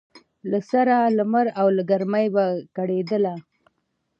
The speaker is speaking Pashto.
له سره لمر او له ګرمۍ به کړېدله